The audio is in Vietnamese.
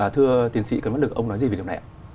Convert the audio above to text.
thưa tiến sĩ cấn văn lực ông nói gì về điều này